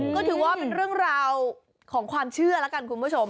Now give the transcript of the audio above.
ก็ถือว่าเป็นเรื่องราวของความเชื่อแล้วกันคุณผู้ชม